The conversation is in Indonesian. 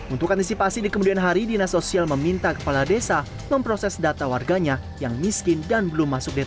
untuk antisipasi di kemudian hari dinas sosial meminta kepala desa memproses data warganya yang miskin dan belum masuk desa